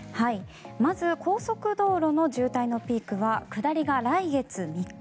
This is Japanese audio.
まず高速道路の渋滞のピークは下りが来月３日。